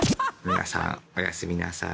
皆さんおやすみなさい。